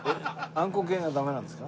あんこ系がダメなんですか？